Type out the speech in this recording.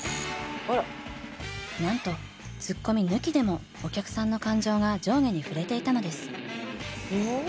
なんとツッコミ抜きでもお客さんの感情が上下に振れていたのです。